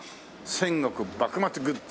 「戦国・幕末グッズ